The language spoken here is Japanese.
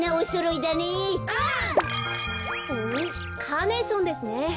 カーネーションですね。